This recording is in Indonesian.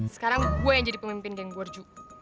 sekarang gue yang jadi pemimpin geng boarjo